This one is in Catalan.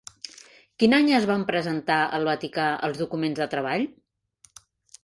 Quin any es van presentar al Vaticà els documents de treball?